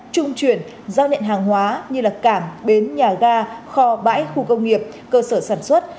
trung chuyển giao nện hàng hóa như cảng bến nhà ga kho bãi khu công nghiệp cơ sở sản xuất